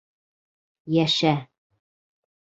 Йәшә.